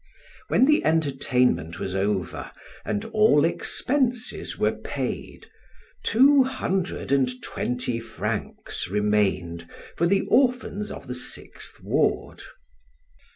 When the entertainment was over and all expenses were paid, two hundred and twenty francs remained for the orphans of the Sixth Ward.